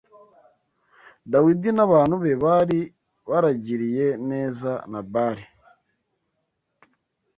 Dawidi n’abantu be bari baragiriye neza Nabali